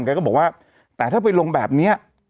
แกก็บอกว่าแต่ถ้าไปลงแบบนี้